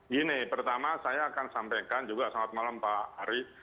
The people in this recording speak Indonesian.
gini pertama saya akan sampaikan juga selamat malam pak hari